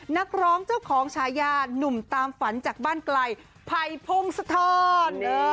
นักร้องเจ้าของชายานุ่มตามฝันจากบ้านไกลไผ่พงศธร